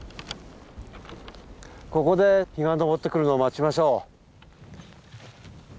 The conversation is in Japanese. ここで日が昇ってくるのを待ちましょう。